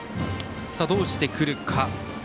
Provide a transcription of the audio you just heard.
どうしてくるか。